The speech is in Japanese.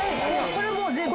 これも全部？